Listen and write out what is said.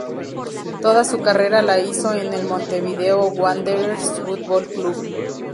Toda su carrera la hizo en el Montevideo Wanderers Fútbol Club.